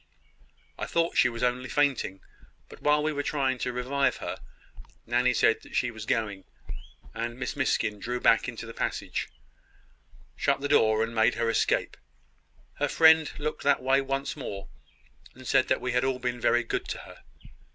I thought she was only fainting; but while we were trying to revive her, Nanny said she was going. Miss Miskin drew back into the passage, shut the door, and made her escape. Her friend looked that way once more, and said that we had all been very good to her.